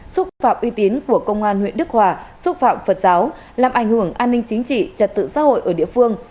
xúc phạm uy tín của công an huyện đức hòa xúc phạm phật giáo làm ảnh hưởng an ninh chính trị trật tự xã hội ở địa phương